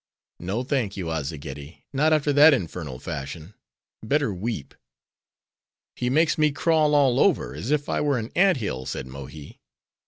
"No, thank you, Azzageddi, not after that infernal fashion; better weep." "He makes me crawl all over, as if I were an ant hill," said Mohi.